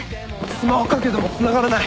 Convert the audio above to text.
スマホかけてもつながらない。